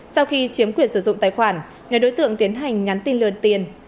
sau khi chiếm quyền sử dụng tài khoản nhà đối tượng tiến hành nhắn tin lừa tiền